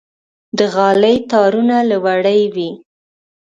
د غالۍ تارونه له وړۍ وي.